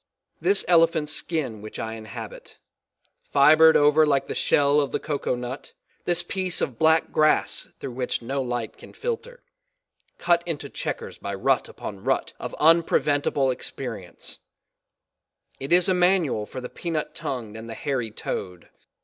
This elephant skin which I inhabit, fibred over like the shell of the coco nut, this piece of black glass through which no light can filter cut into checkers by rut upon rut of unpreventable experience it is a manual for the peanut tongued and the hairy toed.